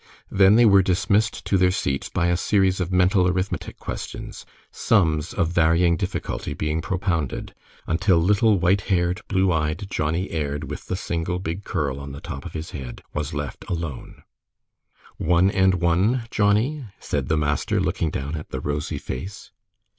Then they were dismissed to their seats by a series of mental arithmetic questions, sums of varying difficulty being propounded, until little white haired, blue eyed Johnnie Aird, with the single big curl on the top of his head, was left alone. "One and one, Johnnie?" said the master, smiling down at the rosy face.